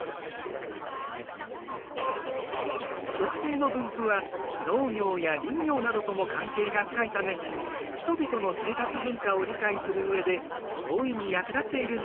植生の分布は農業や林業などとも関係が深いため人々の生活文化を理解する上で大いに役立っているんだよ。